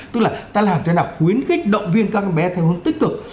tức là ta làm thế nào khuyến khích động viên các bé theo hướng tích cực